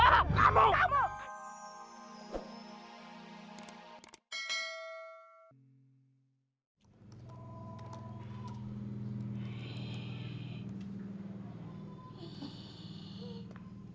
kamu itu mafia penculik anak